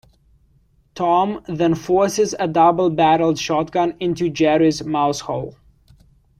Tom then forces a double-barreled shotgun into Jerry's mousehole.